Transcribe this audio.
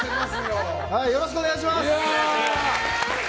よろしくお願いします！